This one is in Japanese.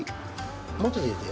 もうちょっと入れて。